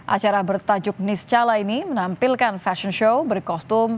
acara bertajuk niscala ini menampilkan fashion show berkostum